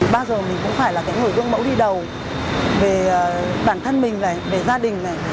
bao giờ mình cũng phải là cái người gương mẫu đi đầu về bản thân mình này về gia đình này